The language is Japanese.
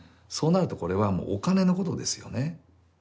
そうなるとこれはもうお金のことですよね。